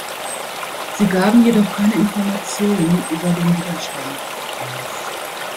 Sie gaben jedoch keine Informationen über den Widerstand preis.